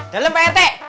dalem pak rt